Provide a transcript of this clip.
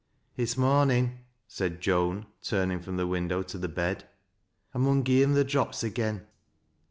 " It's mornin'," said Joan, turning from the window to tLe bed. " I mun gi' him th' drops again."